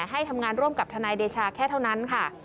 ให้ทำงานร่วมกับทนายเดชาแค่เท่านั้นค่ะ